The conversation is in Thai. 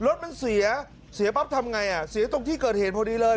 รถมันเสียเสียปั๊บทำไงอ่ะเสียตรงที่เกิดเหตุพอดีเลย